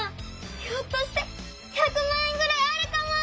ひょっとして１００まん円ぐらいあるかも！